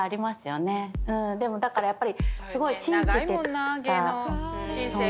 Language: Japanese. だからやっぱりすごい。